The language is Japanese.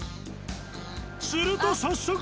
すると早速。